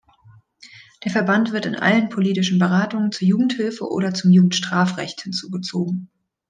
Der Verband wird in allen politischen Beratungen zur Jugendhilfe oder zum Jugendstrafrecht hinzugezogen.